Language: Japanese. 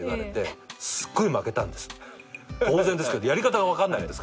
当然ですけどやり方が分かんないんですから。